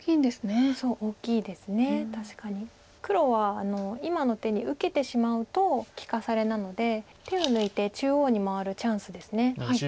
黒は今の手に受けてしまうと利かされなので手を抜いて中央に回るチャンスです。